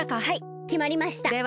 はいきまりました。